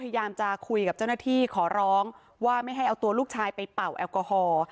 พยายามจะคุยกับเจ้าหน้าที่ขอร้องว่าไม่ให้เอาตัวลูกชายไปเป่าแอลกอฮอล์